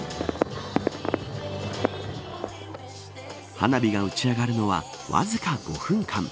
花火が打ち上がるのはわずか５分間。